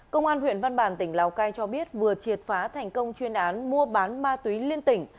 công an huyện văn bàn tỉnh lào cai cho biết vừa triệt phá thành công chuyên án mua bán ma túy liên tỉnh